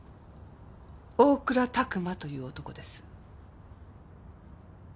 大倉琢磨という男です。